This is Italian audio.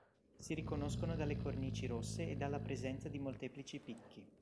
Si riconoscono dalle cornici rosse e dalla presenza di molteplici picchi.